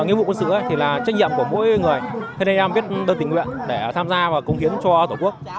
nghĩa vụ quân sự thì là trách nhiệm của mỗi người thế nên em biết đơn tình nguyện để tham gia và cung khiến cho tổ quốc